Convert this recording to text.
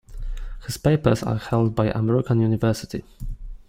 His papers are held by American University.